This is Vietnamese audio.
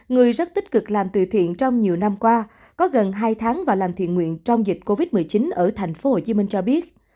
người rất tích cực làm từ thiện trong nhiều năm qua có gần hai tháng vào làm thiện nguyện trong dịch covid một mươi chín ở tp hcm cho biết